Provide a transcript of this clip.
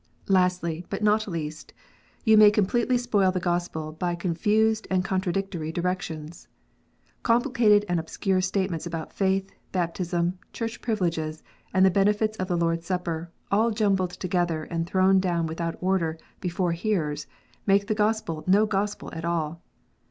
Lastly, but not least, you may completely spoil the Gospel by confused and contradictory directions. Complicated and obscure statements about faith, baptism, Church privileges, and the benefits of the Lord s Supper, all jumbled together, and thrown down without order before hearers, make the Gospel no Gospel at all